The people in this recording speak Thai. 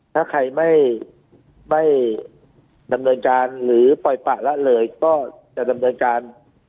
ถ้าใครไม่ดำเนินการหรือปล่อยปะละเลยก็จะดำเนินการ